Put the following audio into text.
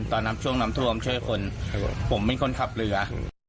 น้ำช่วงน้ำท่วมช่วยคนผมเป็นคนขับเรือ